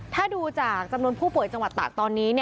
ถ้าดูจากจำนวนผู้ป่วยจังหวัดตากตอนนี้